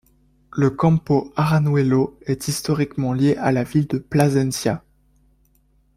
Le Campo Arañuelo est historiquement lié à la ville de Plasencia.